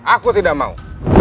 aku tidak mau